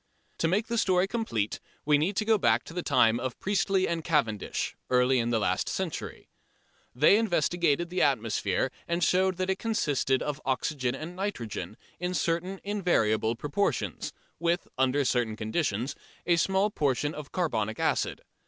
To make the story complete we need to go back to the time of Priestly and Cavendish, early in last century. They investigated the atmosphere and showed that it consisted of oxygen and nitrogen in certain invariable proportions, with under certain conditions a small proportion of carbonic acid.